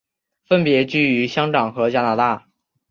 分别居于香港和加拿大。